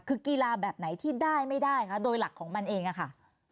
คือกีฬาแบบไหนที่ได้ไม่ได้คะโดยหลักของมันเองอะค่ะ